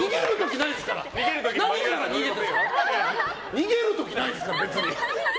逃げる時ないですから！